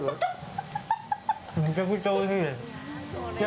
めちゃくちゃおいしい。